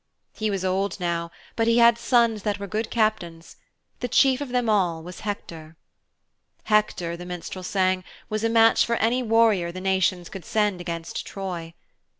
He was old now, but he had sons that were good Captains. The chief of them all was Hector. Hector, the minstrel sang, was a match for any warrior the nations could send against Troy.